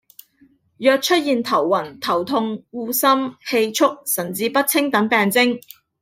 若出現頭暈、頭痛、噁心、氣促、神志不清等病徵